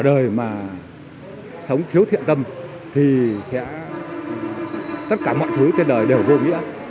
đời mà sống thiếu thiện tâm thì sẽ tất cả mọi thứ trên đời đều vô nghĩa